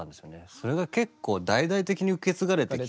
それが結構大々的に受け継がれてきて。